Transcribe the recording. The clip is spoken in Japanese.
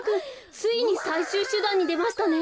ついにさいしゅうしゅだんにでましたね。